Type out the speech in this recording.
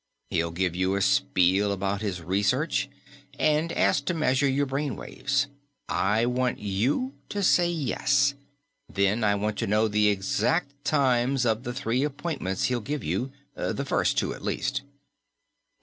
He'll give you a spiel about his research and ask to measure your brain waves. I want you to say yes. Then I want to know the exact times of the three appointments he'll give you the first two, at least."